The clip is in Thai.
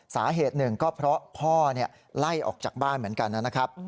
สาเหตุหนึ่งก็เพราะพ่อไล่ออกจากบ้านเหมือนกันนะครับ